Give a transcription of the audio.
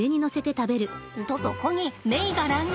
とそこにメイが乱入！